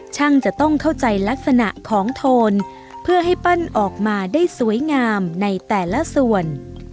ช่างจะต้องเข้าใจลักษณะของโทนเพื่อให้ปั้นออกมาได้สวยงามในแต่ละส่วน